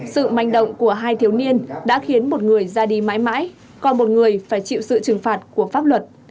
sự manh động của hai thiếu niên đã khiến một người ra đi mãi mãi còn một người phải chịu sự trừng phạt của pháp luật